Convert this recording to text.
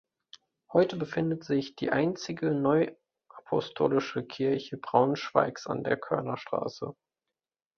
Heute befindet sich die einzige neuapostolische Kirche Braunschweigs an der Körnerstraße.